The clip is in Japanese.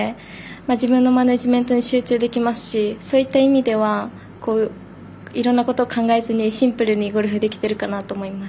自分のマネジメントに集中できますしそういった意味ではいろんなことを考えずにシンプルにゴルフできてるかなと思います。